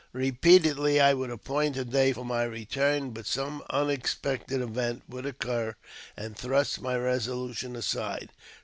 Eepeatedly I would appoint a day for my return, but h some unexpected event would occur and thrust my resolution aside.